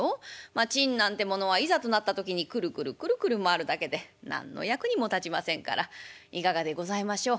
まあ狆なんてものはいざとなった時にクルクルクルクル回るだけで何の役にも立ちませんからいかがでございましょう。